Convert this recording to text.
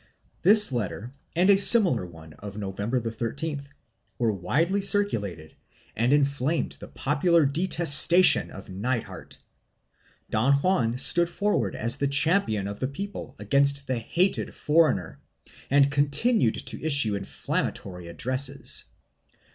This letter and a similar one of November 13th were widely circulated and inflamed the popular detestation of Nithard. Don Juan stood forward as the champion of the people against the hated foreigner and continued to issue inflammatory ad dresses.